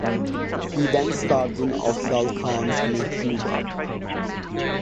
He then starred in Afzal Khan's "Mehbooba".